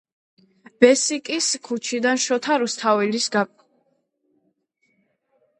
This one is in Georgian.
ბესიკის ქუჩიდან შოთა რუსთაველის გამზირამდე.